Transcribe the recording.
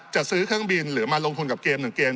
จะซื้อเครื่องบินหรือมาลงทุนกับเกม๑เกม